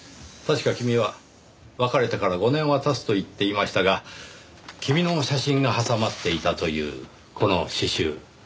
確か君は別れてから５年は経つと言っていましたが君の写真が挟まっていたというこの詩集。